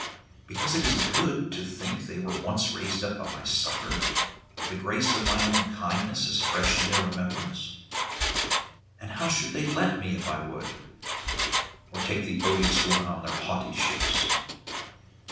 because it is good to think they were once raised up by my [539 570]succour, or the grace of mine old kindness is fresh in their remembrance? And how should they let me, if I would? or take the odious woman on their haughty ships?